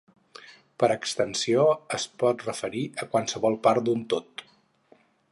Per extensió es pot referir a qualsevol part d'un tot.